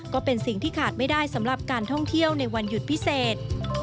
ก็เป็นสิ่งที่ขาดไม่ได้สำหรับการท่องเที่ยวในวันหยุดพิเศษ